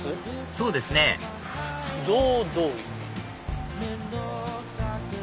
そうですね「不動通り」。